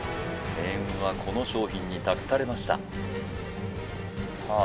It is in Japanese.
命運はこの商品に託されましたさあ